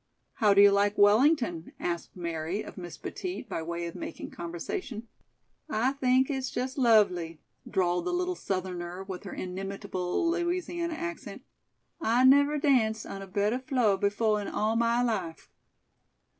"How do you like Wellington?" asked Mary of Miss Petit by way of making conversation. "I think it's jus' lovely," drawled the little Southerner with her inimitable Louisiana accent. "I never danced on a better flo' befo' in all my life."